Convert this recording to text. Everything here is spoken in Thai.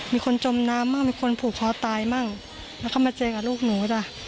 มีคนจมน้ำบ้างมีคนผูกคอตายมั่งแล้วก็มาเจอกับลูกหนูจ้ะ